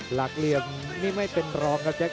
หลักเหลี่ยมนี่ไม่เป็นรองครับแจ๊